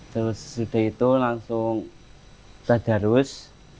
terus sesudah itu langsung tadarus